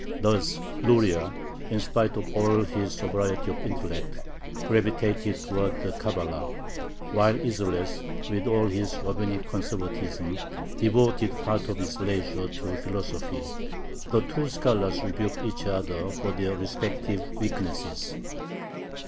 Thus Luria, in spite of all his sobriety of intellect, gravitated towards the Cabala, while Isserles, with all his rabbinic conservatism, devoted part of his leisure to philosophy. The two scholars rebuked each other for their respective "weaknesses."